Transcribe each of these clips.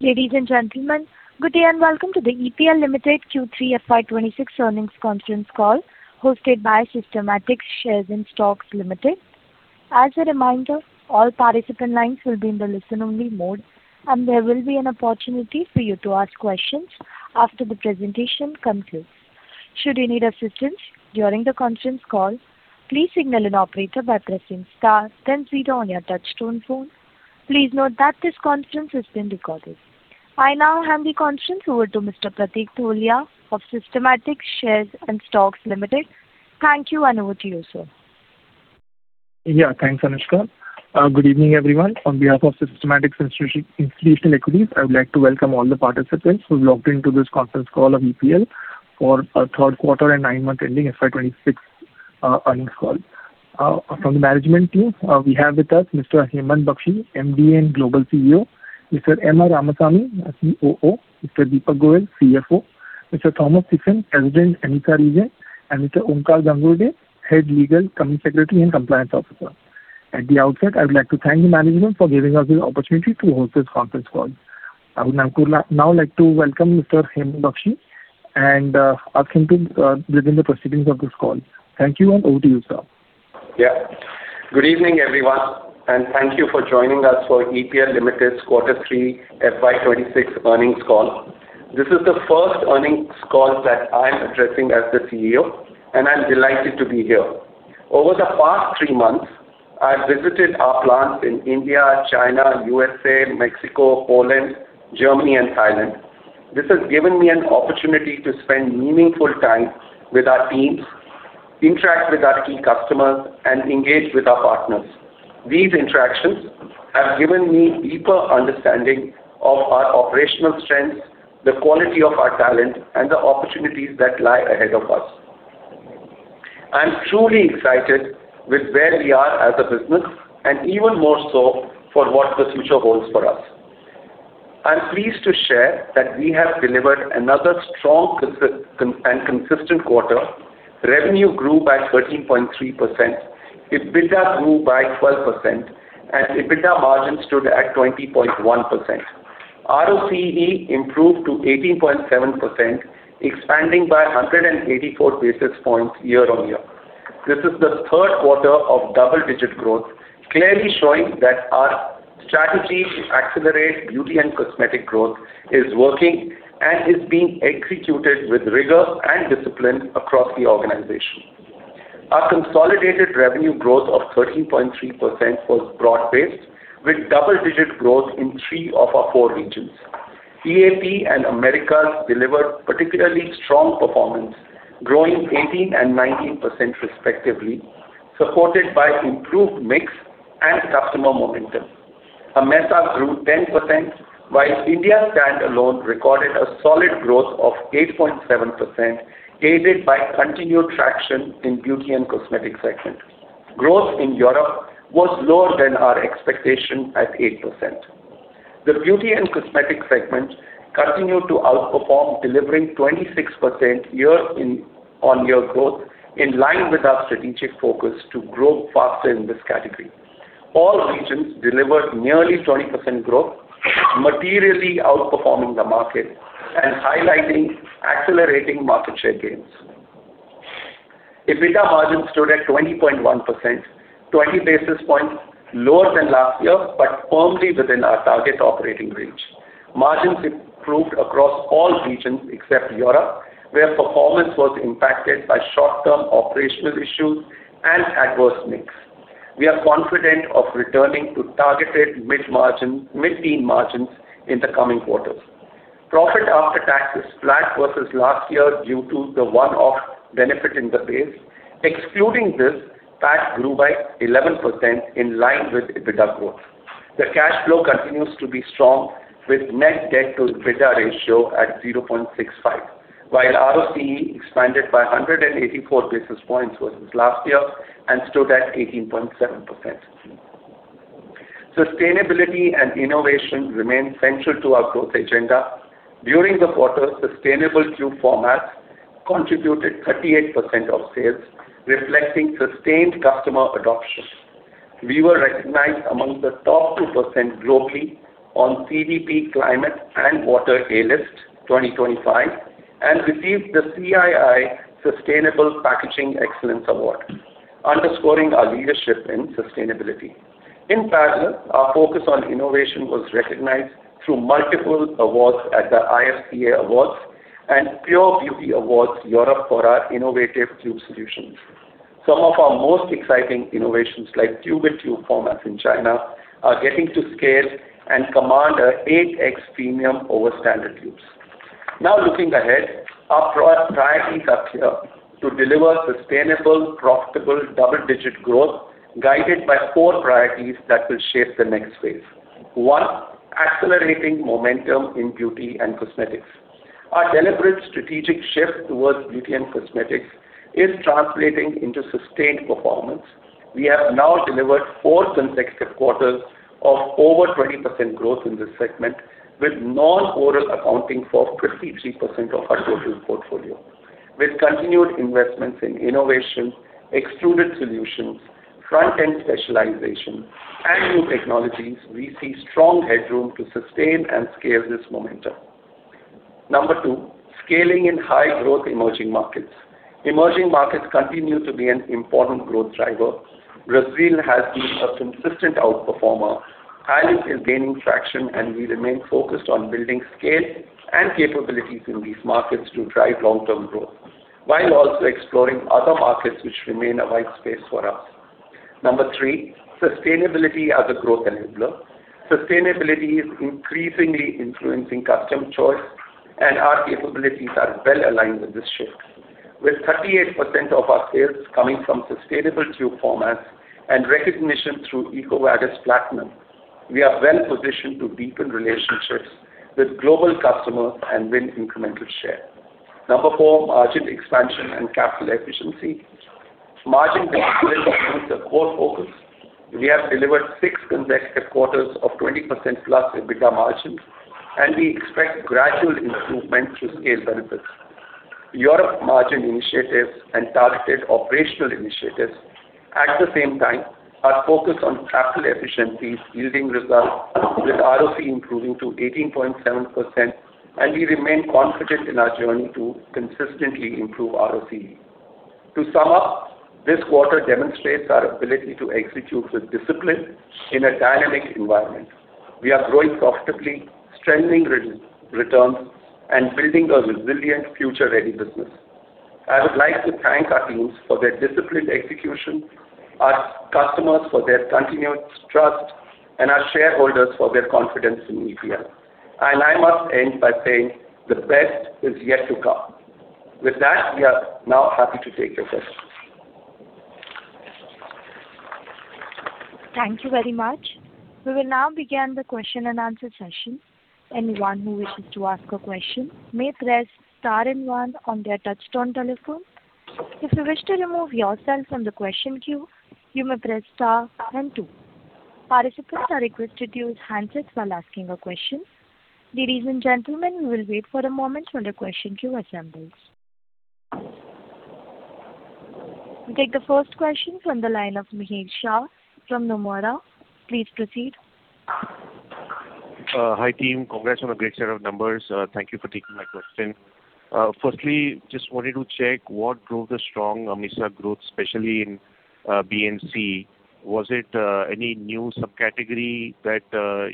Ladies and gentlemen, good day and welcome to the EPL Limited Q3 FY 2026 Earnings Conference Call, hosted by Systematix Shares and Stocks Limited. As a reminder, all participant lines will be in the listen-only mode, and there will be an opportunity for you to ask questions after the presentation concludes. Should you need assistance during the conference call, please signal an operator by pressing star then zero on your touchtone phone. Please note that this conference is being recorded. I now hand the conference over to Mr. Pratik Tholiya of Systematix Shares and Stocks Limited. Thank you, and over to you, sir. Yeah, thanks, Anushka. Good evening, everyone. On behalf of Systematix Institutional Equities, I would like to welcome all the participants who logged into this conference call of EPL for our Q3 and 9M ending FY 2026 earnings call. From the management team, we have with us Mr. Hemant Bakshi, MD and Global CEO, Mr. M. R. Ramasamy, COO, Mr. Deepak Goyal, CFO, Mr. Thomas Kiefer, President, EMEA Region, and Mr. Onkar Ghangurde, Head Legal, Company Secretary, and Compliance Officer. At the outset, I would like to thank the management for giving us the opportunity to host this conference call. I would now like to welcome Mr. Hemant Bakshi and ask him to begin the proceedings of this call. Thank you, and over to you, sir. Yeah. Good evening, everyone, and thank you for joining us for EPL Limited Q3 FY 2026 earnings call. This is the first earnings call that I'm addressing as the CEO, and I'm delighted to be here. Over the past thee months, I've visited our plants in India, China, USA, Mexico, Poland, Germany, and Thailand. This has given me an opportunity to spend meaningful time with our teams, interact with our key customers, and engage with our partners. These interactions have given me deeper understanding of our operational strengths, the quality of our talent, and the opportunities that lie ahead of us. I'm truly excited with where we are as a business and even more so for what the future holds for us. I'm pleased to share that we have delivered another strong and consistent quarter. Revenue grew by 13.3%, EBITDA grew by 12%, and EBITDA margin stood at 20.1%. ROCE improved to 18.7%, expanding by 184 basis points year-on-year. This is the third quarter of double-digit growth, clearly showing that our strategy to accelerate beauty and cosmetic growth is working and is being executed with rigor and discipline across the organization. Our consolidated revenue growth of 13.3% was broad-based, with double-digit growth in three of our four regions. EAP and Americas delivered particularly strong performance, growing 18% and 19% respectively, supported by improved mix and customer momentum. AMESA grew 10%, while India standalone recorded a solid growth of 8.7%, aided by continued traction in beauty and cosmetic segment. Growth in Europe was lower than our expectation at 8%. The beauty and cosmetic segment continued to outperform, delivering 26% year-on-year growth, in line with our strategic focus to grow faster in this category. All regions delivered nearly 20% growth, materially outperforming the market and highlighting accelerating market share gains. EBITDA margin stood at 20.1%, 20 basis points lower than last year, but firmly within our target operating range. Margins improved across all regions except Europe, where performance was impacted by short-term operational issues and adverse mix. We are confident of returning to targeted mid-teen margins in the coming quarters. Profit after tax is flat versus last year due to the one-off benefit in the base. Excluding this, PAT grew by 11% in line with EBITDA growth. The cash flow continues to be strong, with net debt to EBITDA ratio at 0.65, while ROCE expanded by 184 basis points versus last year and stood at 18.7%. Sustainability and innovation remain central to our growth agenda. During the quarter, sustainable tube formats contributed 38% of sales, reflecting sustained customer adoption. We were recognized among the top 2% globally on CDP Climate and Water A List 2025 and received the CII Sustainable Packaging Excellence Award, underscoring our leadership in sustainability. In fact, our focus on innovation was recognized through multiple awards at the IFCA Awards and Pure Beauty Awards, Europe, for our innovative tube solutions. Some of our most exciting innovations, like tube-in-tube formats in China, are getting to scale and command an 8X premium over standard tubes. Now, looking ahead, our priorities are clear: to deliver sustainable, profitable, double-digit growth, guided by four priorities that will shape the next phase. One, accelerating momentum in beauty and cosmetics. Our deliberate strategic shift towards beauty and cosmetics is translating into sustained performance. We have now delivered four consecutive quarters of over 20% growth in this segment, with non-oral accounting for 53% of our total portfolio. With continued investments in innovation, extruded solutions, front-end specialization and new technologies, we see strong headroom to sustain and scale this momentum. Number two, scaling in high growth emerging markets. Emerging markets continue to be an important growth driver. Brazil has been a consistent outperformer, and it is gaining traction, and we remain focused on building scale and capabilities in these markets to drive long-term growth, while also exploring other markets which remain a wide space for us. Number three, sustainability as a growth enabler. Sustainability is increasingly influencing customer choice, and our capabilities are well aligned with this shift. With 38% of our sales coming from sustainable tube formats and recognition through EcoVadis Platinum, we are well positioned to deepen relationships with global customers and win incremental share. Number four, margin expansion and capital efficiency. Margin expansion remains a core focus. We have delivered 6 consecutive quarters of 20%+ EBITDA margins, and we expect gradual improvement through scale benefits. Europe margin initiatives and targeted operational initiatives, at the same time, our focus on capital efficiencies yielding results, with ROC improving to 18.7%, and we remain confident in our journey to consistently improve ROC. To sum up, this quarter demonstrates our ability to execute with discipline in a dynamic environment. We are growing profitably, strengthening returns, and building a resilient, future-ready business. I would like to thank our teams for their disciplined execution, our customers for their continued trust, and our shareholders for their confidence in EPL. I must end by saying, the best is yet to come. With that, we are now happy to take your questions. Thank you very much. We will now begin the question and answer session. Anyone who wishes to ask a question may press star and one on their touchtone telephone. If you wish to remove yourself from the question queue, you may press star and two. Participants are requested to use handsets while asking a question. Ladies and gentlemen, we will wait for a moment when the question queue assembles. We take the first question from the line of Mihir Shah from Nomura. Please proceed. Hi, team. Congrats on a great set of numbers. Thank you for taking my question. Firstly, just wanted to check what drove the strong AMESA growth, especially in B&C. Was it any new subcategory that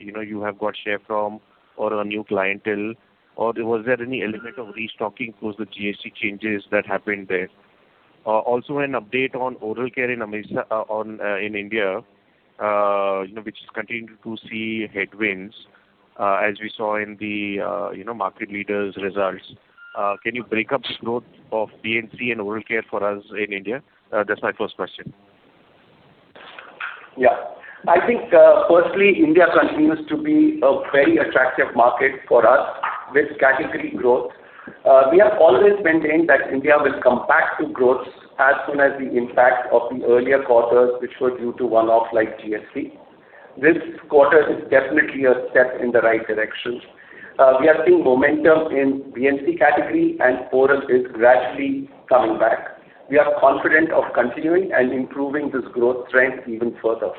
you know you have got share from or a new clientele, or was there any element of restocking because the GST changes that happened there? Also an update on oral care in AMESA on in India, you know, which is continuing to see headwinds as we saw in the you know market leaders results. Can you break up the growth of B&C and oral care for us in India? That's my first question. Yeah. I think, firstly, India continues to be a very attractive market for us with category growth. We have always maintained that India will come back to growth as soon as the impact of the earlier quarters, which were due to one-off like GST. This quarter is definitely a step in the right direction. We are seeing momentum in B&C category, and oral is gradually coming back. We are confident of continuing and improving this growth trend even further.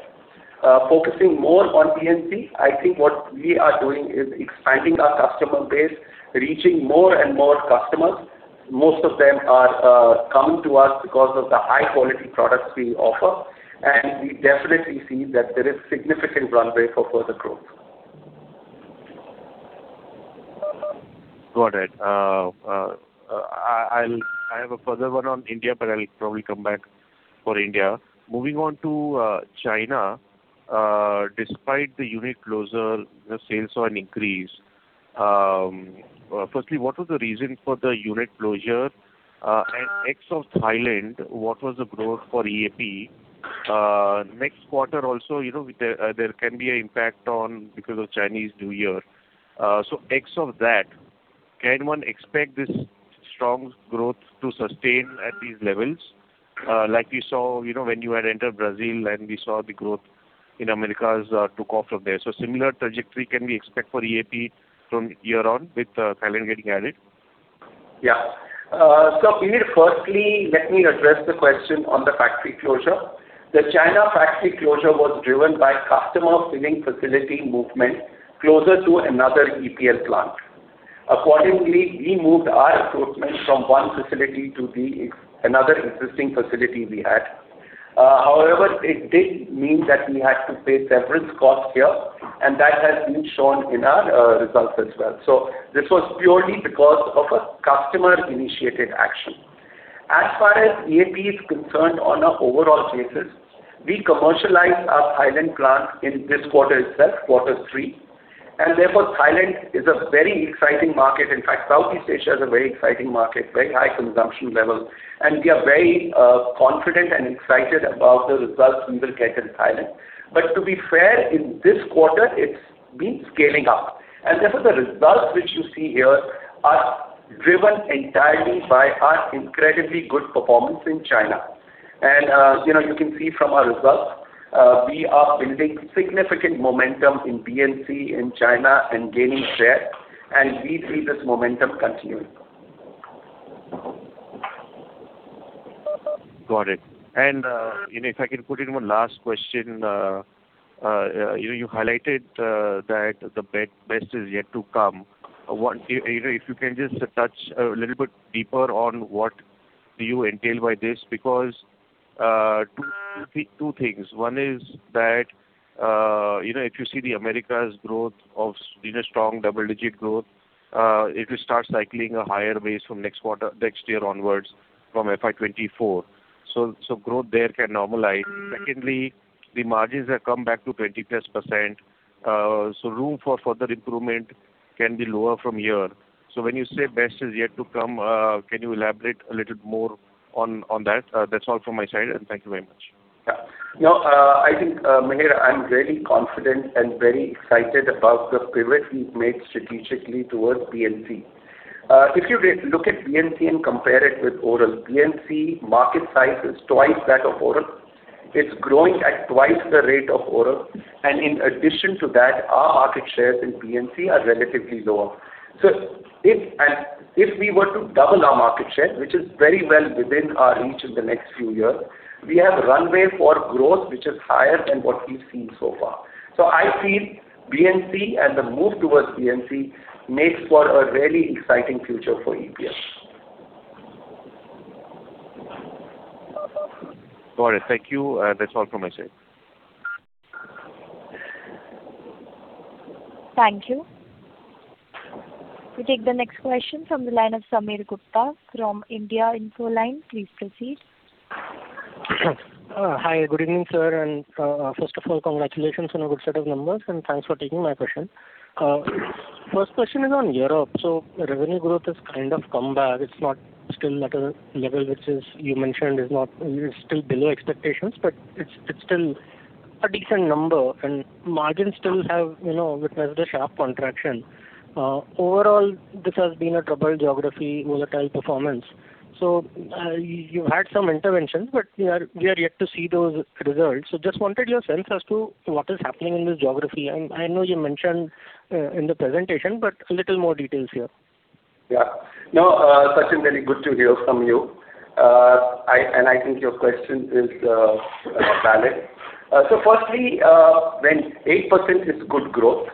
Focusing more on B&C, I think what we are doing is expanding our customer base, reaching more and more customers. Most of them are coming to us because of the high-quality products we offer, and we definitely see that there is significant runway for further growth. Got it. I have a further one on India, but I'll probably come back for India. Moving on to China, despite the unit closure, the sales saw an increase. Firstly, what was the reason for the unit closure? And ex of Thailand, what was the growth for EAP? Next quarter also, you know, there can be an impact because of Chinese New Year. So ex of that, can one expect this strong growth to sustain at these levels? Like we saw, you know, when you had entered Brazil and we saw the growth in Americas, took off from there. So similar trajectory, can we expect for EAP from year on with Thailand getting added? Yeah. So, Puneet, firstly, let me address the question on the factory closure. The China factory closure was driven by customer filling facility movement closer to another EPL plant. Accordingly, we moved our equipment from one facility to the, another existing facility we had. However, it did mean that we had to pay severance costs here, and that has been shown in our results as well. So this was purely because of a customer-initiated action. As far as EAP is concerned on an overall basis, we commercialized our Thailand plant in this quarter itself, quarter three, and therefore, Thailand is a very exciting market. In fact, Southeast Asia is a very exciting market, very high consumption levels, and we are very confident and excited about the results we will get in Thailand. But to be fair, in this quarter, it's been scaling up, and therefore, the results which you see here are driven entirely by our incredibly good performance in China. You know, you can see from our results, we are building significant momentum in B&C in China and gaining share, and we see this momentum continuing. Got it. You know, if I could put in one last question, you highlighted that the best is yet to come. What you know, if you can just touch a little bit deeper on what do you entail by this? Because two things: One is that, you know, if you see the Americas growth of strong double-digit growth, it will start cycling a higher base from next quarter, next year onwards, from FY 2024. So growth there can normalize. Secondly, the margins have come back to 20+%, so room for further improvement can be lower from here. So when you say best is yet to come, can you elaborate a little more on that? That's all from my side, and thank you very much. Yeah. No, I think, Mihir, I'm very confident and very excited about the pivot we've made strategically towards B&C. If you re-look at B&C and compare it with Oral, B&C market size is twice that of Oral. It's growing at twice the rate of Oral, and in addition to that, our market shares in B&C are relatively lower. So if, and if we were to double our market share, which is very well within our reach in the next few years, we have runway for growth, which is higher than what we've seen so far. So I feel B&C and the move towards B&C makes for a really exciting future for EPL. Got it. Thank you, that's all from my side. Thank you. We take the next question from the line of Sameer Gupta from India Infoline. Please proceed. Hi, good evening, sir, and first of all, congratulations on a good set of numbers, and thanks for taking my question. First question is on Europe. So revenue growth has kind of come back. It's not still at a level which is... You mentioned, is not, is still below expectations, but it's, it's still a decent number, and margins still have, you know, witnessed a sharp contraction. Overall, this has been a troubled geography, volatile performance. So, you've had some interventions, but we are, we are yet to see those results. So just wanted your sense as to what is happening in this geography. And I know you mentioned in the presentation, but a little more details here. Yeah. No, Sachin, very good to hear from you. I think your question is valid. So firstly, when 8% is good growth,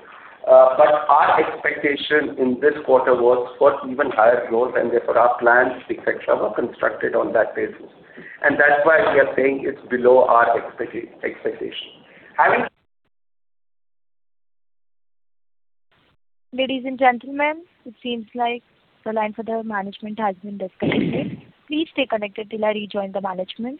but our expectation in this quarter was for even higher growth, and therefore our plans, et cetera, were constructed on that basis, and that's why we are saying it's below our expectation. Having- Ladies and gentlemen, it seems like the line for the management has been disconnected. Please stay connected till I rejoin the management.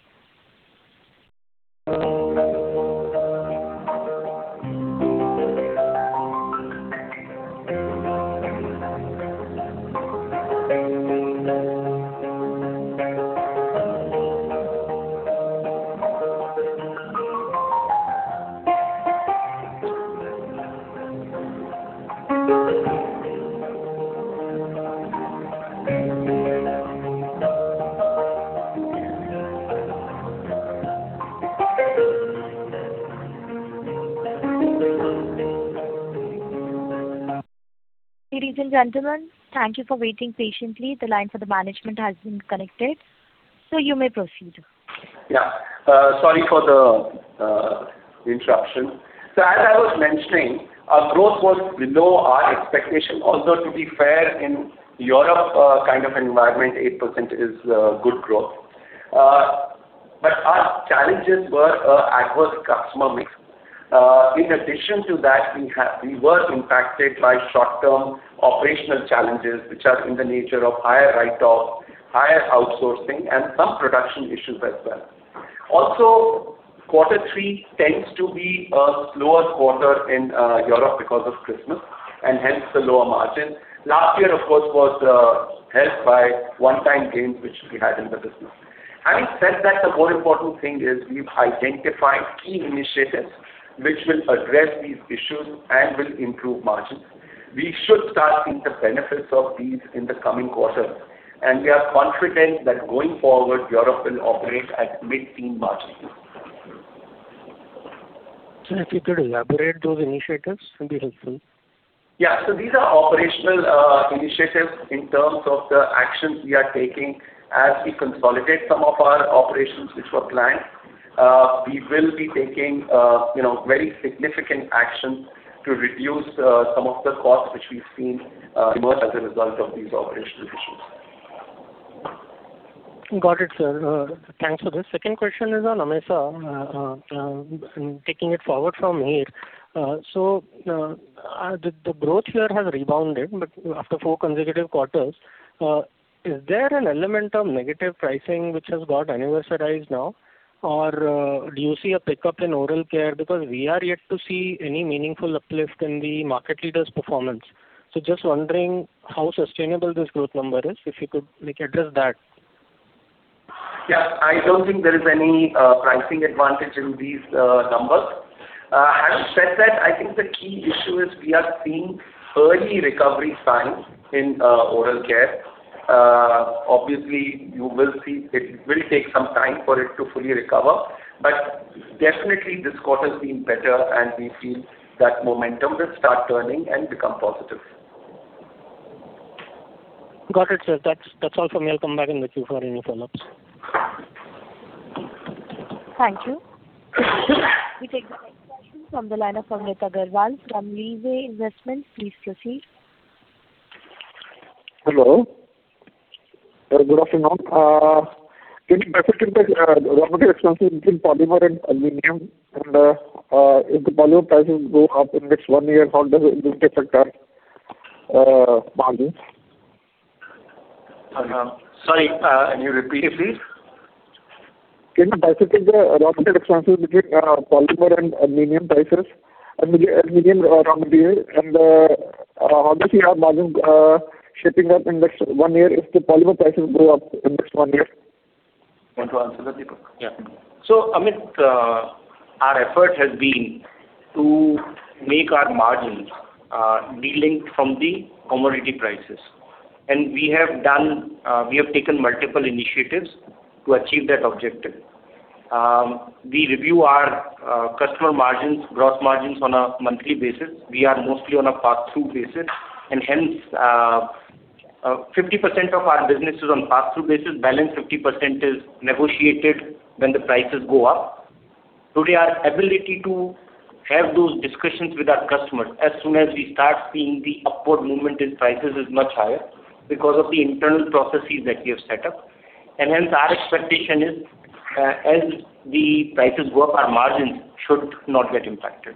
Ladies and gentlemen, thank you for waiting patiently. The line for the management has been connected, so you may proceed. Yeah, sorry for the interruption. So as I was mentioning, our growth was below our expectation. Also, to be fair, in Europe, kind of environment, 8% is good growth. But our challenges were adverse customer mix. In addition to that, we have—we were impacted by short-term operational challenges, which are in the nature of higher write-offs, higher outsourcing, and some production issues as well. Also, quarter three tends to be a slower quarter in Europe because of Christmas, and hence the lower margin. Last year, of course, was helped by one-time gains, which we had in the business. Having said that, the more important thing is we've identified key initiatives which will address these issues and will improve margins. We should start seeing the benefits of these in the coming quarters, and we are confident that going forward, Europe will operate at mid-teen margins. If you could elaborate those initiatives, it would be helpful. Yeah. So these are operational initiatives in terms of the actions we are taking as we consolidate some of our operations, which were planned. We will be taking, you know, very significant action to reduce some of the costs which we've seen emerge as a result of these operational issues. Got it, sir. Thanks for this. Second question is on AMESA, taking it forward from here. So, the growth here has rebounded, but after four consecutive quarters, is there an element of negative pricing which has got anniversarized now? Or, do you see a pickup in oral care? Because we are yet to see any meaningful uplift in the market leader's performance. So just wondering how sustainable this growth number is, if you could, like, address that. Yeah, I don't think there is any pricing advantage in these numbers. Having said that, I think the key issue is we are seeing early recovery signs in oral care. Obviously, you will see it will take some time for it to fully recover, but definitely, this quarter's been better, and we feel that momentum will start turning and become positive. Got it, sir. That's, that's all from me. I'll come back in the queue for any follow-ups. Thank you. We take the next question from the line of Amit Agarwal from Leeway Investments. Please proceed. Hello. Good afternoon. Can you bifurcate the raw material expenses between polymer and aluminum? And, if the polymer prices go up in next one year, how does it affect our margins? Sorry, can you repeat it, please? Can you bifurcate the raw material expenses between polymer and aluminum prices? Aluminum, aluminum raw material, and how does your margins shaping up in this one year if the polymer prices go up in this one year? Want to answer that, Deepak? Yeah. So Amit, our effort has been to make our margins, de-linked from the commodity prices. And we have done, we have taken multiple initiatives to achieve that objective. We review our, customer margins, gross margins on a monthly basis. We are mostly on a pass-through basis, and hence, 50% of our business is on pass-through basis. Balance 50% is negotiated when the prices go up. Today, our ability to have those discussions with our customers as soon as we start seeing the upward movement in prices is much higher because of the internal processes that we have set up. And hence, our expectation is, as the prices go up, our margins should not get impacted.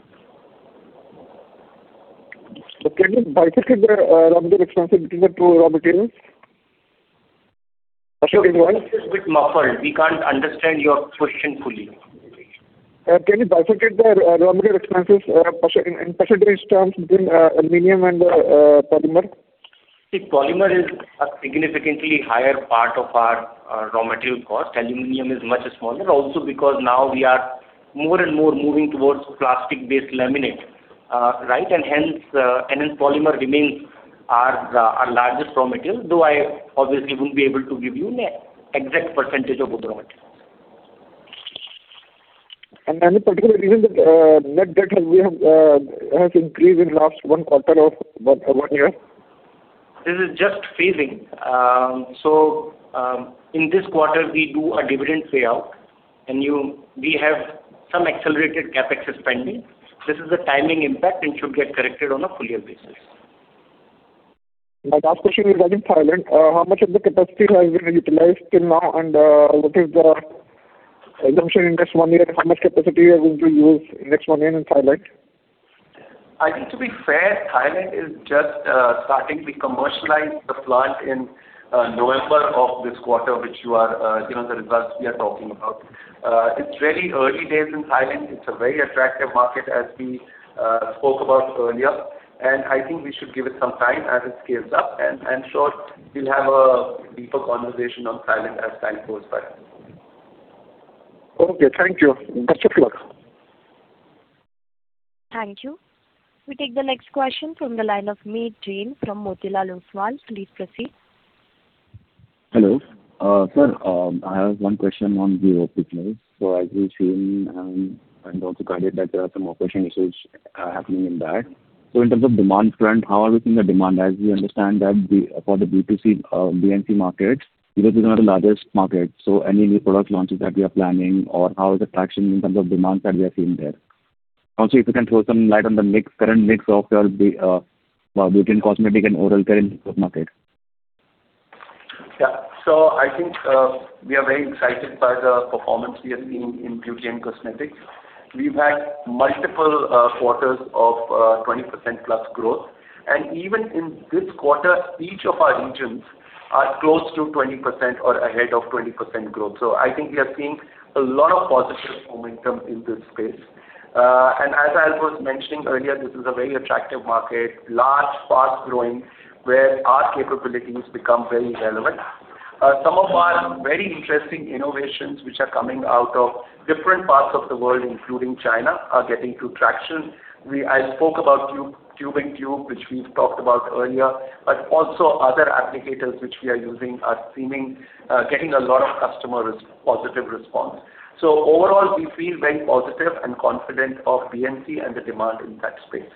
Can you bifurcate the raw material expenses between the two raw materials? Sorry, what? It's a bit muffled. We can't understand your question fully. Can you bifurcate the raw material expenses in percentage terms between aluminum and polymer? See, polymer is a significantly higher part of our raw material cost. Aluminum is much smaller, also because now we are more and more moving towards plastic-based laminate, right? And hence, and then polymer remains our largest raw material, though I obviously wouldn't be able to give you an exact percentage of the raw material. Any particular reason that net debt has increased in last one quarter of one year? This is just phasing. So, in this quarter, we do a dividend payout, and we have some accelerated CapEx spending. This is a timing impact and should get corrected on a full year basis. My last question is on Thailand. How much of the capacity has been utilized till now, and what is the assumption in this one year, and how much capacity are going to use in next one year in Thailand? I think, to be fair, Thailand is just starting to commercialize the plant in November of this quarter, which you are, you know, the results we are talking about. It's very early days in Thailand. It's a very attractive market, as we spoke about earlier, and I think we should give it some time as it scales up, and I'm sure we'll have a deeper conversation on Thailand as time goes by. Okay, thank you. That's it for now. Thank you. We take the next question from the line of Meet Jain from Motilal Oswal. Please proceed. Hello. Sir, I have one question on the oral care. So as we've seen, and also guided that there are some operational issues happening in that. So in terms of demand front, how are we seeing the demand? As we understand that for the B2C B&C market, this is not the largest market, so any new product launches that we are planning, or how is the traction in terms of demand that we are seeing there? Also, if you can throw some light on the mix, current mix between cosmetic and oral care in this market. Yeah. So I think we are very excited by the performance we have seen in beauty and cosmetics. We've had multiple quarters of twenty percent plus growth. And even in this quarter, each of our regions are close to twenty percent or ahead of twenty percent growth. So I think we are seeing a lot of positive momentum in this space. And as I was mentioning earlier, this is a very attractive market, large, fast-growing, where our capabilities become very relevant. Some of our very interesting innovations, which are coming out of different parts of the world, including China, are getting to traction. I spoke about tube, tube-in-tube, which we've talked about earlier, but also other applicators which we are using are seeming getting a lot of customer positive response. Overall, we feel very positive and confident of B&C and the demand in that space.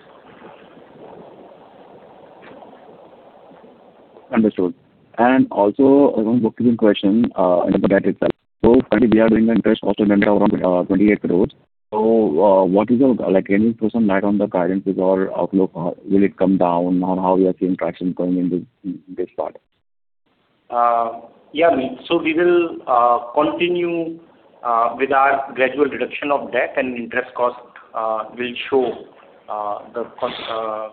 Understood. And also, around booking question, and about itself. So currently, we are doing the interest cost around 28 crore. So, what is your, like, any personal light on the guidance or outlook? Will it come down on how we are seeing traction going into this part? Yeah, Meet. So we will continue with our gradual reduction of debt, and interest cost will show the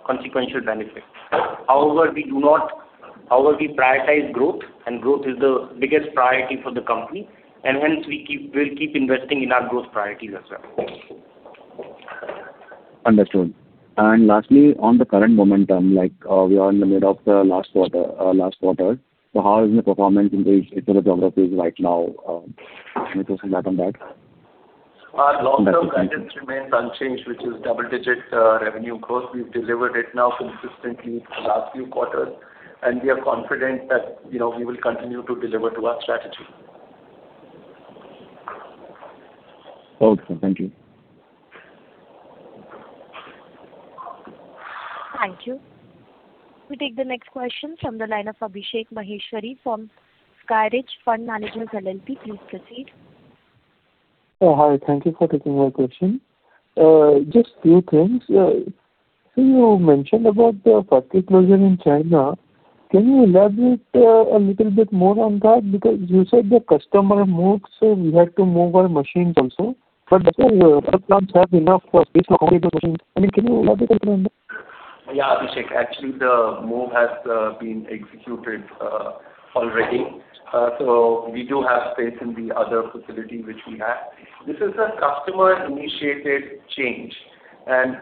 consequential benefits. However, we do not, however, we prioritize growth, and growth is the biggest priority for the company, and hence, we keep, we'll keep investing in our growth priorities as well. Understood. And lastly, on the current momentum, like, we are in the middle of the last quarter, last quarter. So how is the performance in these geographies right now, can you throw some light on that? Our long-term guidance remains unchanged, which is double-digit revenue growth. We've delivered it now consistently for the last few quarters, and we are confident that, you know, we will continue to deliver to our strategy. Okay, sir. Thank you. Thank you. We take the next question from the line of Abhishek Maheshwari from Skyridge Fund Managers LLP. Please proceed. Hi. Thank you for taking my question. Just few things. So you mentioned about the factory closure in China. Can you elaborate, a little bit more on that? Because you said the customer moved, so we had to move our machines also. But the other plants have enough space to accommodate the machines. I mean, can you elaborate on that? Yeah, Abhishek, actually, the move has been executed already. So we do have space in the other facility which we have. This is a customer-initiated change, and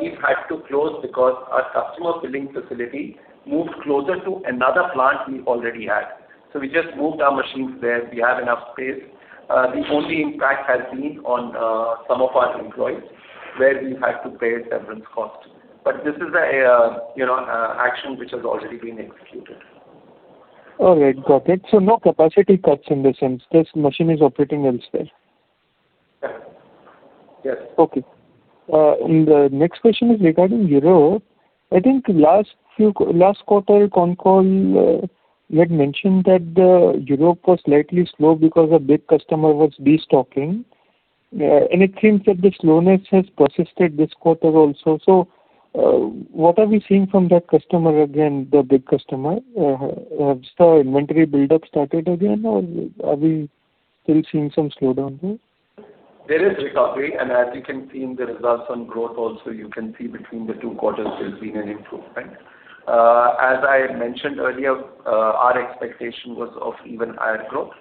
we've had to close because our customer filling facility moved closer to another plant we already had. So we just moved our machines there. We have enough space. The only impact has been on some of our employees, where we had to pay severance costs. But this is a, you know, action which has already been executed. All right, got it. So no capacity cuts in the sense, this machine is operating elsewhere? Yeah. Yes. Okay. And the next question is regarding Europe. I think last quarter con call, you had mentioned that Europe was slightly slow because a big customer was destocking. And it seems that the slowness has persisted this quarter also. So, what are we seeing from that customer again, the big customer? Has the inventory buildup started again, or are we still seeing some slowdown there? There is recovery, and as you can see in the results on growth also, you can see between the two quarters there's been an improvement. As I had mentioned earlier, our expectation was of even higher growth.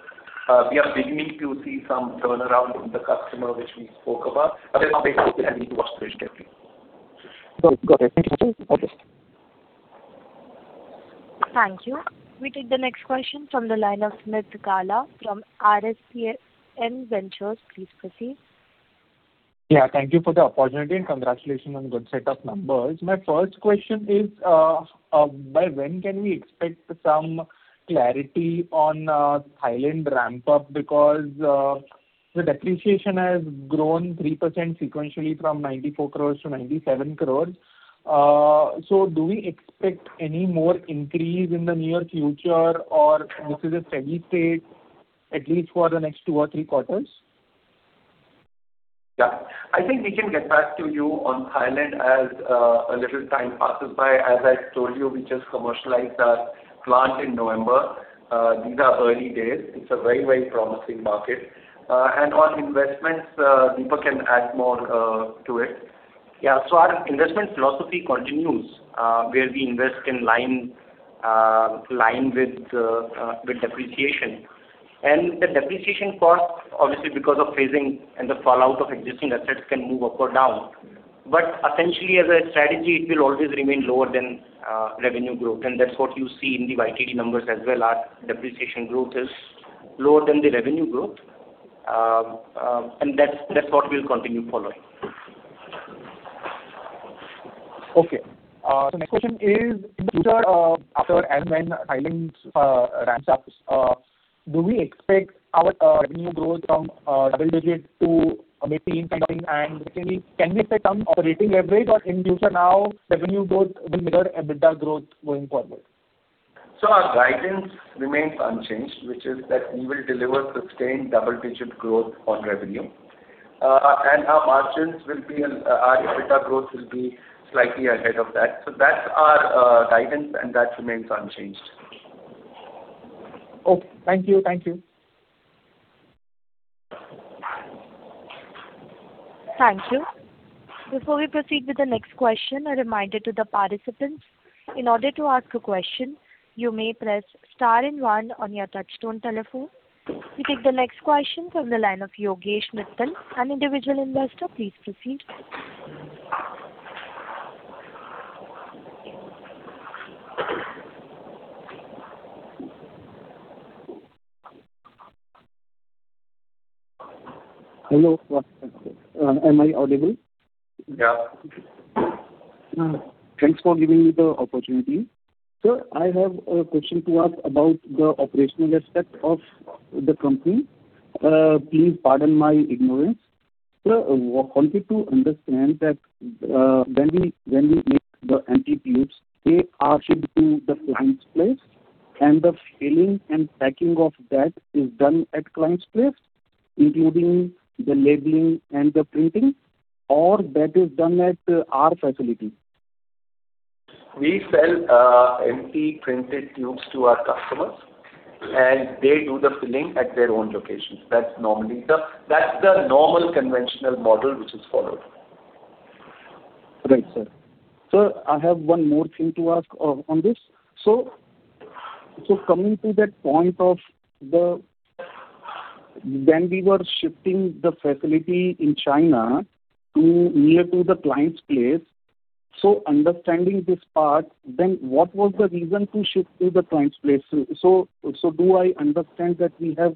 We are beginning to see some turnaround in the customer, which we spoke about, but it's not yet ready to restocking. Got it. Got it. Thank you. Thank you. We take the next question from the line of Smit Gala from RSN Ventures. Please proceed. Yeah, thank you for the opportunity, and congratulations on good set of numbers. My first question is, by when can we expect some clarity on, Thailand ramp-up? Because, the depreciation has grown 3% sequentially from 94 crore to 97 crore. So do we expect any more increase in the near future, or this is a steady state, at least for the next two or three quarters? Yeah. I think we can get back to you on Thailand as a little time passes by. As I told you, we just commercialized our plant in November. These are early days. It's a very, very promising market. And on investments, Deepak can add more to it. Yeah, so our investment philosophy continues where we invest in line with depreciation. The depreciation cost, obviously, because of phasing and the fallout of existing assets, can move up or down. Essentially, as a strategy, it will always remain lower than revenue growth, and that's what you see in the YTD numbers as well. Our depreciation growth is lower than the revenue growth, and that's what we'll continue following. Okay. The next question is, after and when Thailand ramps up, do we expect our revenue growth from double digit to maybe teen something? And secondly, can we expect some operating leverage, or in future now, revenue growth will mirror EBITDA growth going forward? So our guidance remains unchanged, which is that we will deliver sustained double-digit growth on revenue. And our margins will be, and our EBITDA growth will be slightly ahead of that. So that's our guidance, and that remains unchanged. Okay. Thank you. Thank you. Thank you. Before we proceed with the next question, a reminder to the participants, in order to ask a question, you may press star and one on your touchtone telephone. We take the next question from the line of Yogesh Mittal, an individual investor. Please proceed. Hello. Am I audible? Yeah. Thanks for giving me the opportunity. Sir, I have a question to ask about the operational aspect of the company. Please pardon my ignorance. Sir, I wanted to understand that, when we make the empty tubes, they are shipped to the client's place, and the filling and packing of that is done at client's place, including the labeling and the printing, or that is done at our facility? We sell empty printed tubes to our customers, and they do the filling at their own locations. That's the normal conventional model which is followed. Right, sir. Sir, I have one more thing to ask on this. So, coming to that point of the... When we were shifting the facility in China to near to the client's place, so understanding this part, then what was the reason to shift to the client's place? So, do I understand that we have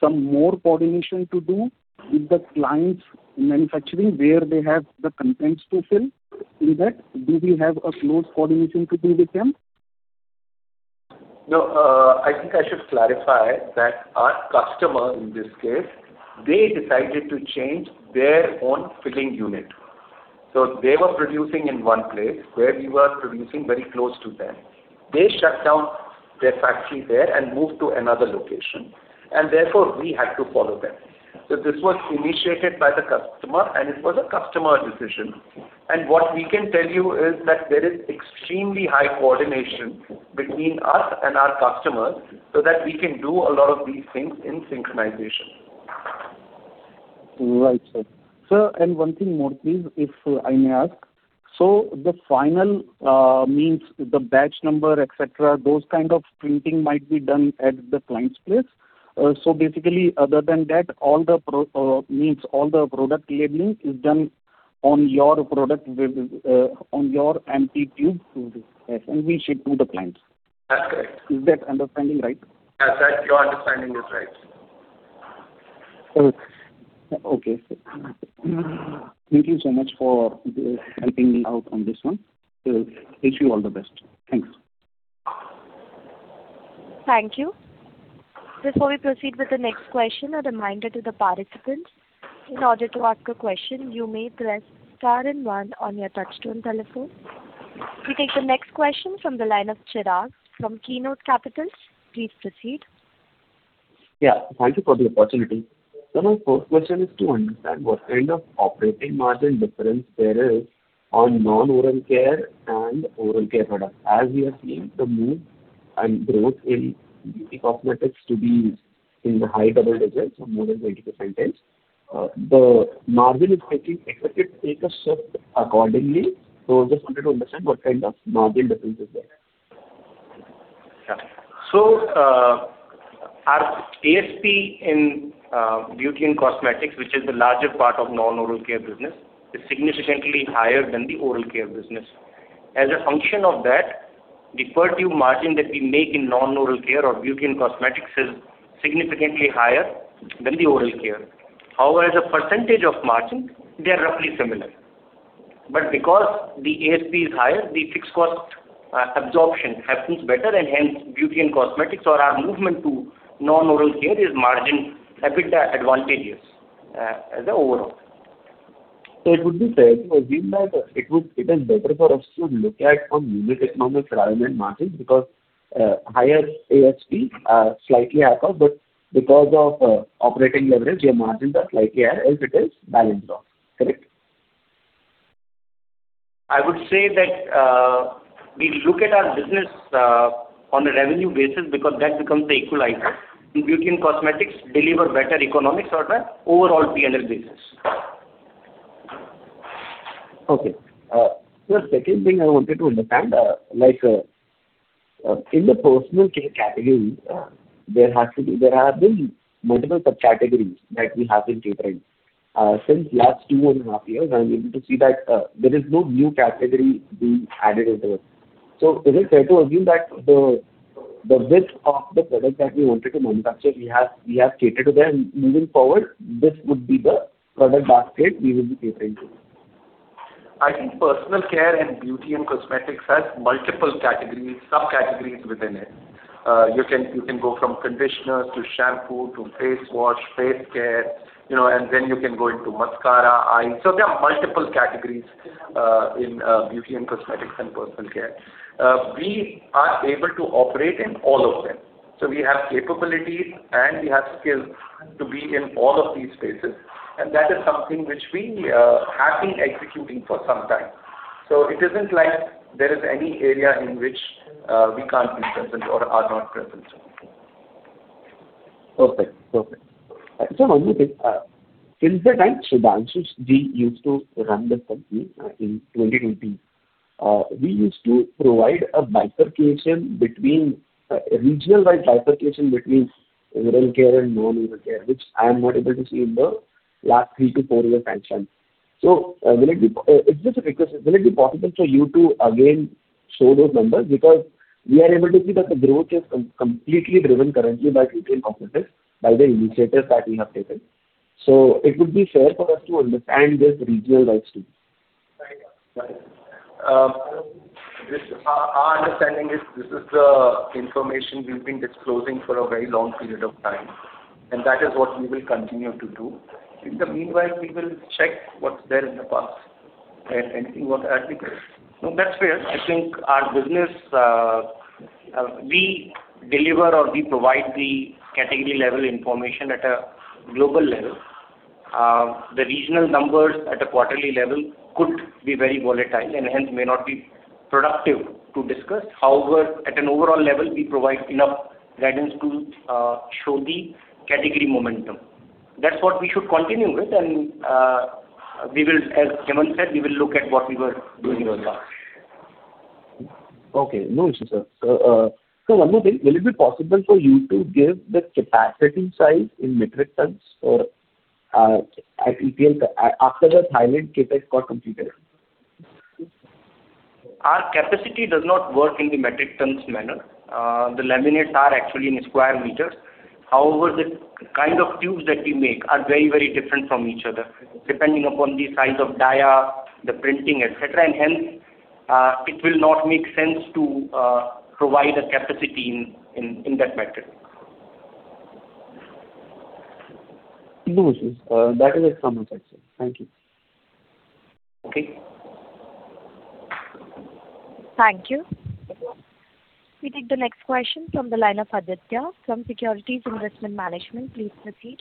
some more coordination to do with the client's manufacturing, where they have the contents to fill? In that, do we have a close coordination to do with them? No, I think I should clarify that our customer, in this case, they decided to change their own filling unit. So they were producing in one place, where we were producing very close to them. They shut down their factory there and moved to another location, and therefore we had to follow them. So this was initiated by the customer, and it was a customer decision. And what we can tell you is that there is extremely high coordination between us and our customers, so that we can do a lot of these things in synchronization. Right, sir. Sir, and one thing more, please, if I may ask: So the final, means the batch number, et cetera, those kind of printing might be done at the client's place? So basically, other than that, all the pro-- means all the product labeling is done on your product, on your empty tube, yes, and we ship to the clients. That's correct. Is that understanding right? Yes, sir, your understanding is right. Okay. Thank you so much for helping me out on this one. Wish you all the best. Thanks. Thank you. Before we proceed with the next question, a reminder to the participants, in order to ask a question, you may press star and one on your touchtone telephone. We take the next question from the line of Chirag Maroo from Keynote Capitals. Please proceed. Yeah, thank you for the opportunity. So my first question is to understand what kind of operating margin difference there is on non-oral care and oral care products. As we are seeing the move and growth in beauty and cosmetics to be in the high double digits, so more than 20%, the margin is quickly expected to take a shift accordingly. So just wanted to understand what kind of margin difference is there? Yeah. So, our ASP in, beauty and cosmetics, which is the larger part of non-oral care business, is significantly higher than the oral care business. As a function of that, the per tube margin that we make in non-oral care or beauty and cosmetics is significantly higher than the oral care. However, as a percentage of margin, they are roughly similar. But because the ASP is higher, the fixed cost, absorption happens better, and hence, beauty and cosmetics or our movement to non-oral care is margin, EBITDA advantageous, as an overall. So it would be fair to assume that it is better for us to look at from unit economics rather than margins, because higher ASP, slightly higher, but because of operating leverage, your margins are slightly higher as it is balanced off. Correct? I would say that we look at our business on a revenue basis because that becomes the equalizer, and beauty and cosmetics deliver better economics on an overall P&L basis. Okay. The second thing I wanted to understand, like, in the personal care category, there has to be—there have been multiple subcategories that we have been catering. Since last two and a half years, I'm able to see that, there is no new category being added into it. So is it fair to assume that the, the list of the products that we wanted to manufacture, we have, we have catered to them, moving forward, this would be the product basket we will be catering to? I think personal care and beauty and cosmetics has multiple categories, subcategories within it. You can, you can go from conditioner, to shampoo, to face wash, face care, you know, and then you can go into mascara, eyes. So there are multiple categories in beauty and cosmetics and personal care. We are able to operate in all of them. So we have capabilities, and we have skills to be in all of these spaces, and that is something which we have been executing for some time. So it isn't like there is any area in which we can't be present or are not present. Perfect. Perfect. So one more thing, since the time Sudhanshu Ji used to run the company, in 2018, we used to provide a bifurcation between, region-wide bifurcation between oral care and non-oral care, which I am not able to see in the last three to four years time frame. So, will it be possible for you to again show those numbers? Because we are able to see that the growth is completely driven currently by beauty and cosmetics, by the initiatives that you have taken. So it would be fair for us to understand this region-wise too. Right. Our understanding is this is the information we've been disclosing for a very long period of time, and that is what we will continue to do. In the meanwhile, we will check what's there in the past and see what I can do. No, that's fair. I think our business, we deliver or we provide the category level information at a global level. The regional numbers at a quarterly level could be very volatile and hence may not be productive to discuss. However, at an overall level, we provide enough guidance to show the category momentum. That's what we should continue with, and we will, as Hemant said, we will look at what we were doing in the past. Okay, no issue, sir. So, one more thing, will it be possible for you to give the capacity size in metric tons for at EPL, after the Thailand CapEx got completed? Our capacity does not work in the metric tons manner. The laminates are actually in square meters... However, the kind of tubes that we make are very, very different from each other, depending upon the size of dia, the printing, et cetera, and hence, it will not make sense to provide a capacity in that metric. No issues. That is a common sense. Thank you. Okay. Thank you. We take the next question from the line of Aditya from Securities Investment Management. Please proceed.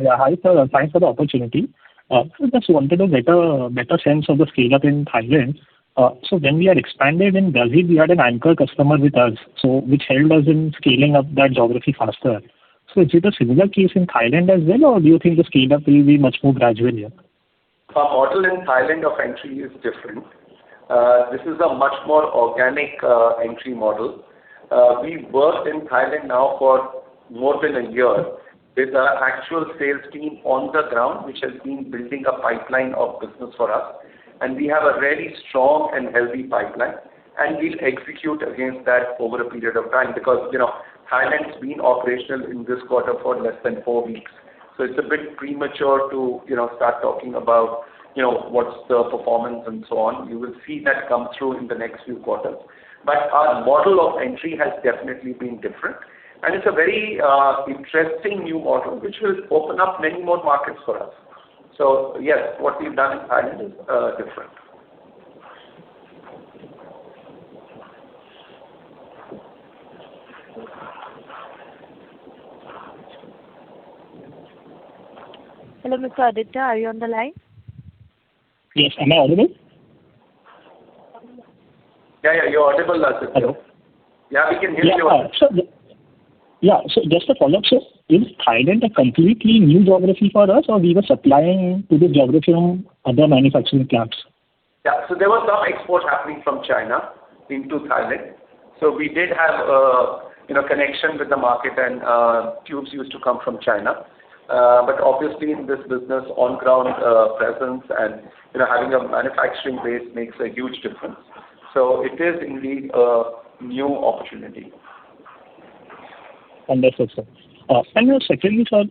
Yeah. Hi, sir. Thanks for the opportunity. Just wanted a better sense of the scale-up in Thailand. When we had expanded in Brazil, we had an anchor customer with us, which helped us in scaling up that geography faster. Is it a similar case in Thailand as well, or do you think the scale-up will be much more gradual here? Our model in Thailand of entry is different. This is a much more organic entry model. We've worked in Thailand now for more than a year with our actual sales team on the ground, which has been building a pipeline of business for us. And we have a very strong and healthy pipeline, and we'll execute against that over a period of time. Because, you know, Thailand's been operational in this quarter for less than four weeks, so it's a bit premature to, you know, start talking about, you know, what's the performance and so on. You will see that come through in the next few quarters. But our model of entry has definitely been different, and it's a very interesting new model, which will open up many more markets for us. So yes, what we've done in Thailand is different. Hello, Mr. Aditya, are you on the line? Yes. Am I audible? Yeah, yeah, you're audible now, sir. Hello. Yeah, we can hear you. Yeah. Yeah, so just a follow-up, sir. Is Thailand a completely new geography for us, or we were supplying to this geography from other manufacturing plants? Yeah. So there was some export happening from China into Thailand. So we did have a, you know, connection with the market, and tubes used to come from China. But obviously, in this business, on-ground presence and, you know, having a manufacturing base makes a huge difference. So it is indeed a new opportunity. Understood, sir. And then secondly, sir,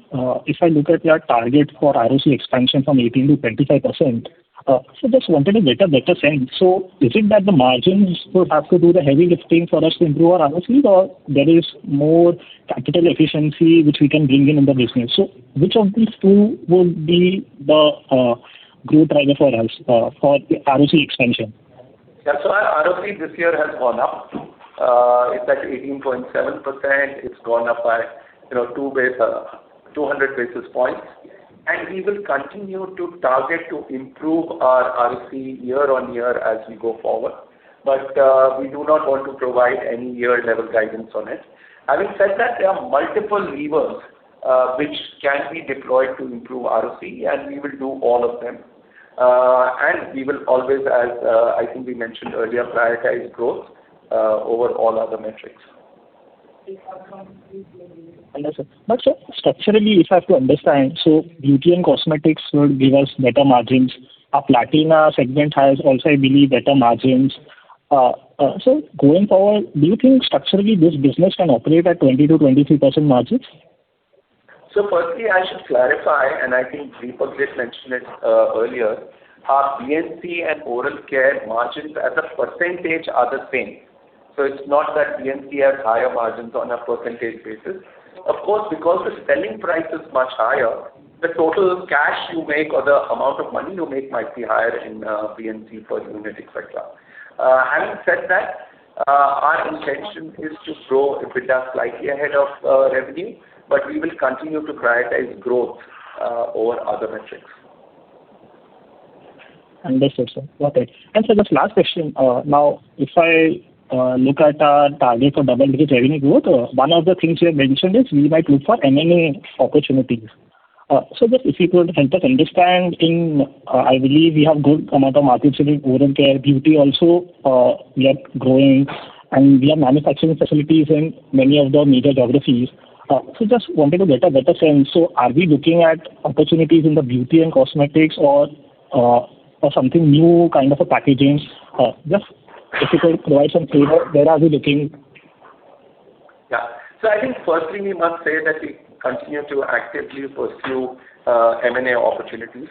if I look at your target for ROC expansion from 18%-25%, so just wanted a better, better sense. So you think that the margins would have to do the heavy lifting for us to improve our ROC, or there is more capital efficiency which we can bring in, in the business? So which of these two will be the growth driver for us, for the ROC expansion? Yeah, so our ROC this year has gone up. It's at 18.7%. It's gone up by, you know, 200 basis points. And we will continue to target to improve our ROC year-on-year as we go forward. But, we do not want to provide any year-level guidance on it. Having said that, there are multiple levers, which can be deployed to improve ROC, and we will do all of them. And we will always, as, I think we mentioned earlier, prioritize growth over all other metrics. Understood. But, sir, structurally, if I have to understand, so beauty and cosmetics will give us better margins. Our Platina segment has also, I believe, better margins. So going forward, do you think structurally this business can operate at 20%-23% margins? So firstly, I should clarify, and I think Deepak did mention it, earlier, our B&C and oral care margins as a percentage are the same. So it's not that B&C has higher margins on a percentage basis. Of course, because the selling price is much higher, the total cash you make or the amount of money you make might be higher in, B&C per unit, et cetera. Having said that, our intention is to grow EBITDA slightly ahead of, revenue, but we will continue to prioritize growth, over other metrics. Understood, sir. Got it. And so just last question, now, if I look at our target for double-digit revenue growth, one of the things you have mentioned is we might look for M&A opportunities. So just if you could help us understand, in I believe we have good amount of markets in oral care, beauty also, we are growing, and we have manufacturing facilities in many of the major geographies. So just wanted a better, better sense. So are we looking at opportunities in the beauty and cosmetics or, or something new, kind of a packagings? Just if you could provide some flavor, where are we looking? Yeah. So I think firstly, we must say that we continue to actively pursue M&A opportunities.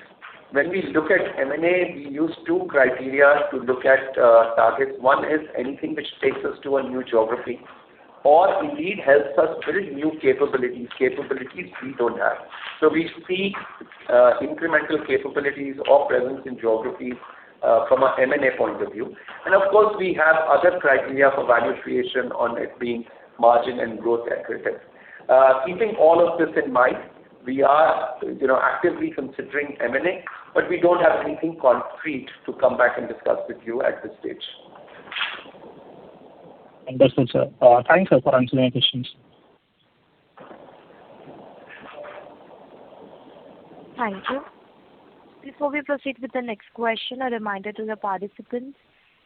When we look at M&A, we use two criteria to look at targets. One is anything which takes us to a new geography or indeed helps us build new capabilities, capabilities we don't have. So we see incremental capabilities or presence in geographies from a M&A point of view. And of course, we have other criteria for value creation on it being margin and growth accretive. Keeping all of this in mind, we are, you know, actively considering M&A, but we don't have anything concrete to come back and discuss with you at this stage. Understood, sir. Thanks, sir, for answering my questions. Thank you. Before we proceed with the next question, a reminder to the participants,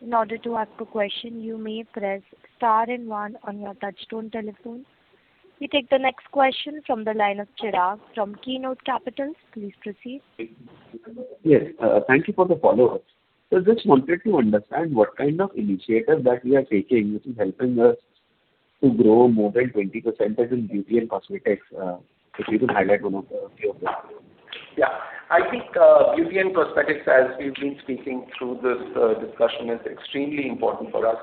in order to ask a question, you may press star and one on your touchtone telephone. We take the next question from the line of Chirag Maroo from Keynote Capitals. Please proceed. Yes, thank you for the follow-up. Just wanted to understand what kind of initiatives that we are taking, which is helping us to grow more than 20% as in beauty and cosmetics. If you could highlight one of the few of them? Yeah. I think, beauty and cosmetics, as we've been speaking through this discussion, is extremely important for us,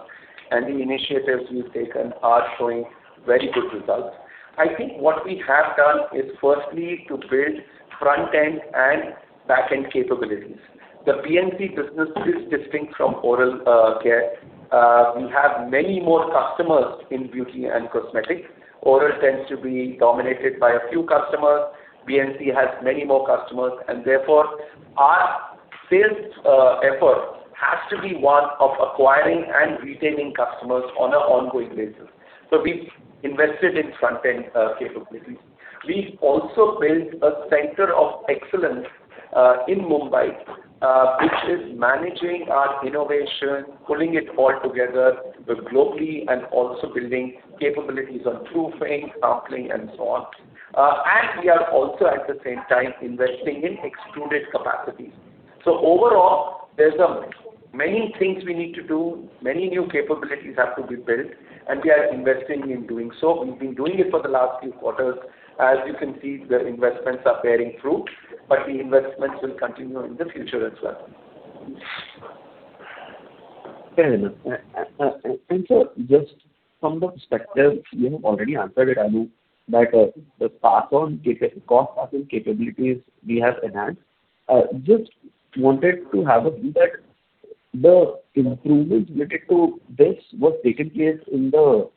and the initiatives we've taken are showing very good results. I think what we have done is firstly to build front-end and back-end capabilities. The B&C business is distinct from oral care. We have many more customers in beauty and cosmetics. Oral tends to be dominated by a few customers. B&C has many more customers, and therefore, our sales effort has to be one of acquiring and retaining customers on an ongoing basis. So we've invested in front-end capabilities. We've also built a center of excellence in Mumbai, which is managing our innovation, pulling it all together, both globally and also building capabilities on proofing, sampling, and so on. And we are also, at the same time, investing in extruded capacities. So overall, there's many things we need to do, many new capabilities have to be built, and we are investing in doing so. We've been doing it for the last few quarters. As you can see, the investments are bearing fruit, but the investments will continue in the future as well. Fair enough. And, sir, just from the perspective, you have already answered it, I know, that, the pass-on cost-passing capabilities we have enhanced. Just wanted to have a view that the improvements related to this was taking place in the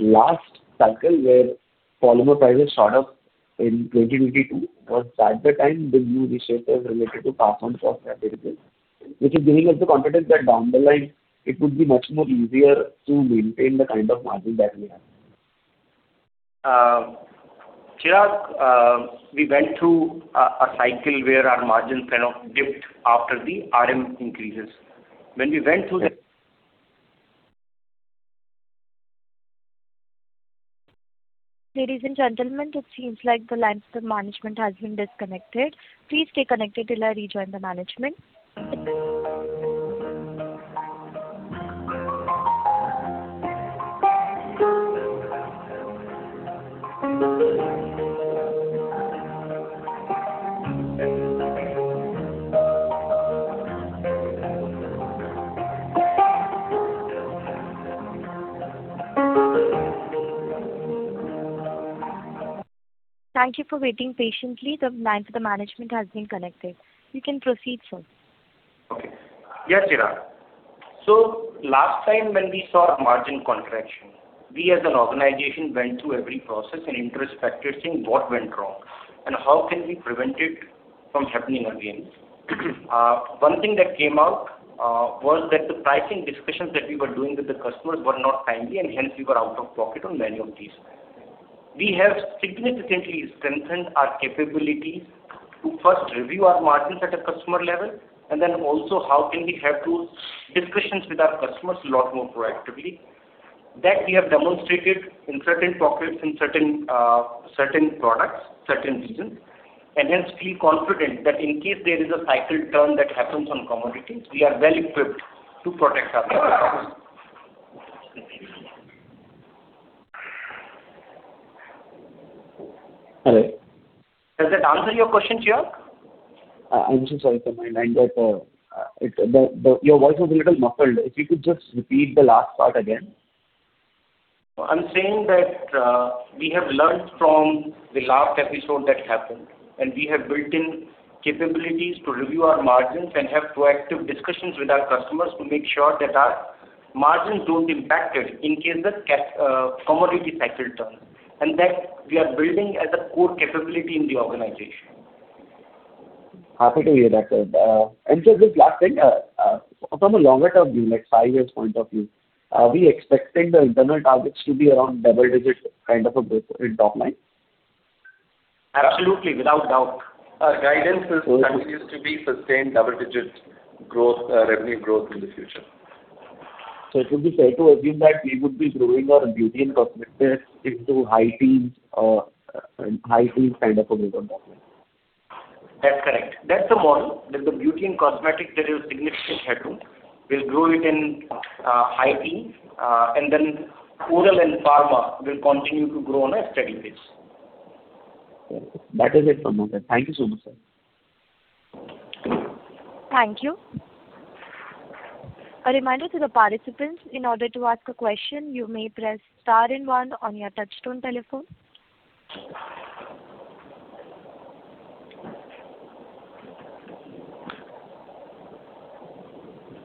last cycle where polymer prices shot up in 2022, because at the time, the new initiatives related to pass-on cost capabilities, which is giving us the confidence that down the line it would be much more easier to maintain the kind of margin that we have. Chirag, we went through a cycle where our margins kind of dipped after the RM increases. When we went through the- Ladies and gentlemen, it seems like the lines to the management has been disconnected. Please stay connected till I rejoin the management. Thank you for waiting patiently. The line to the management has been connected. You can proceed, sir. Okay. Yes, Chirag. So last time, when we saw a margin contraction, we as an organization, went through every process and introspected, seeing what went wrong and how can we prevent it from happening again. One thing that came out was that the pricing discussions that we were doing with the customers were not timely, and hence we were out of pocket on many of these. We have significantly strengthened our capabilities to first review our margins at a customer level, and then also how can we have those discussions with our customers a lot more proactively. That we have demonstrated in certain pockets, in certain products, certain regions, and hence feel confident that in case there is a cycle turn that happens on commodities, we are well equipped to protect our customers. Hello. Does that answer your question, Chirag? I'm so sorry, sir, my line got your voice was a little muffled. If you could just repeat the last part again. I'm saying that, we have learned from the last episode that happened, and we have built in capabilities to review our margins and have proactive discussions with our customers to make sure that our margins don't impacted in case the commodity cycle turns, and that we are building as a core capability in the organization. Happy to hear that, sir. Just this last thing, from a longer-term view, like five years point of view, are we expecting the internal targets to be around double digit, kind of a growth in top line? Absolutely, without doubt. Our guidance continues to be sustained double-digit growth, revenue growth in the future. It would be fair to assume that we would be growing our Beauty and Cosmetics into high teens, high teens, kind of a mid on that one. That's correct. That's the model, that the beauty and cosmetics there is significant headroom. We'll grow it in high teens, and then oral and pharma will continue to grow on a steady pace. That is it from my side. Thank you so much, sir. Thank you. A reminder to the participants, in order to ask a question, you may press star and one on your touchtone telephone.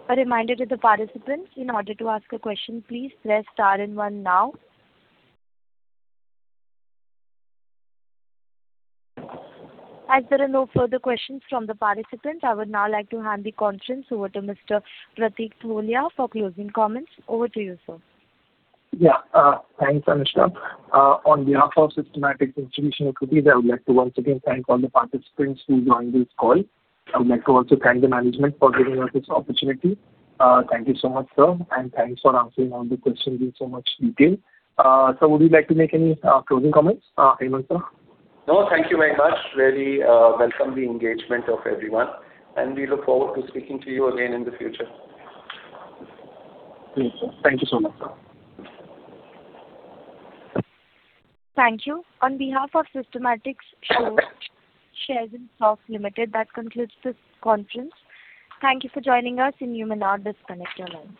A reminder to the participants, in order to ask a question, please press star and one now. As there are no further questions from the participants, I would now like to hand the conference over to Mr. Pratik Tholiya for closing comments. Over to you, sir. Yeah, thanks, Anushka. On behalf of Systematix Institutional Equities, I would like to once again thank all the participants who joined this call. I would like to also thank the management for giving us this opportunity. Thank you so much, sir, and thanks for answering all the questions in so much detail. Sir, would you like to make any closing comments, Hemant, sir? No, thank you very much. Really, welcome the engagement of everyone, and we look forward to speaking to you again in the future. Thank you, sir. Thank you so much, sir. Thank you. On behalf of Systematix Shares and Stocks Limited, that concludes this conference. Thank you for joining us, and you may now disconnect your lines.